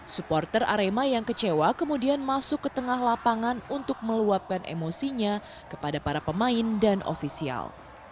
supporter arema yang kecewa kemudian masuk ke tengah lapangan untuk meluapkan emosinya kepada para pemain dan ofisial